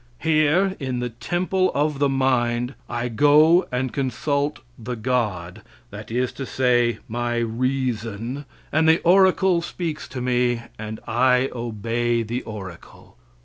Here, in the temple of the mind, I go and consult the God that is to say, my reason and the oracle speaks to me, and I obey the oracle.